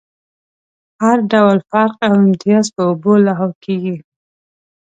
هر ډول فرق او امتياز په اوبو لاهو کېږي.